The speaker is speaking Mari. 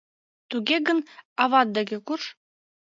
Туге гын, ават деке курж.